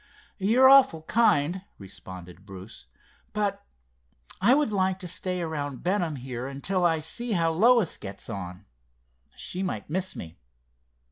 "You're awful kind," responded Bruce, "but I would like to stay around Benham here until I see how Lois gets on. She might miss me.